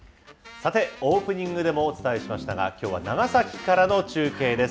さてオープニングでもお伝えしましたが、きょうは長崎からの中継です。